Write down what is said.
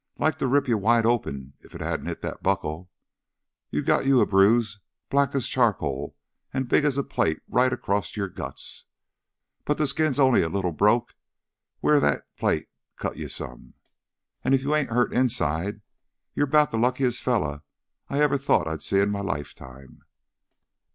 "Like to ripe you wide open if it hadn't hit the buckle! You got you a bruise black as charcoal an' big as a plate right across your guts, but the skin's only a little broke wheah the plate cut you some. An' if you ain't hurt inside, you're 'bout the luckiest fella I ever thought to see in my lifetime!"